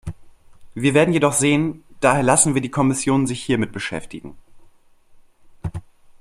Wir werden jedoch sehen, daher lassen wir die Kommission sich hiermit beschäftigen.